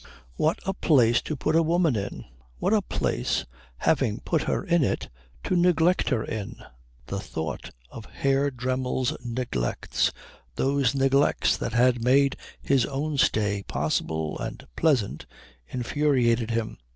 What a place to put a woman in! What a place, having put her in it, to neglect her in! The thought of Herr Dremmel's neglects, those neglects that had made his own stay possible and pleasant, infuriated him.